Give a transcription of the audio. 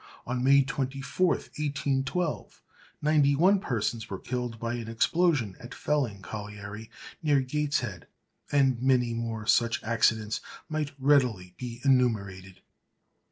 On May 24, 1812, ninety one persons were killed by an explosion at Felling Colliery, near Gateshead. And many more such accidents might readily be enumerated.